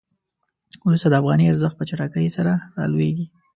وروسته د افغانۍ ارزښت په چټکۍ سره رالویږي.